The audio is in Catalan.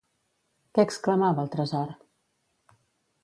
Què exclamava el tresor?